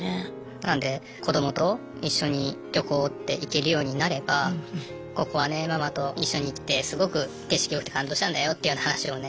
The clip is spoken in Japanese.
なので子どもと一緒に旅行って行けるようになればここはねママと一緒に来てすごく景色良くて感動したんだよっていうような話をね